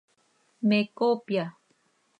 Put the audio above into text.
¿Me coopya?